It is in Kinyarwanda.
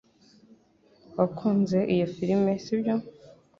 Wakunze iyo firime sibyo